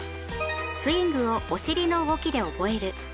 スイングをお尻の動きで覚える。